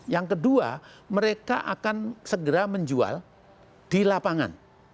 yang kedua mereka akan segera menjual di lapangan